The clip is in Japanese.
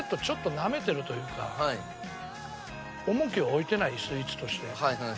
ちょっとなめてるというか重きを置いてないスイーツとして。